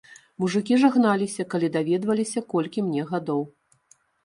Мужыкі жагналіся, калі даведваліся, колькі мне гадоў.